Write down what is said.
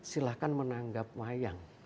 silahkan menanggap wayang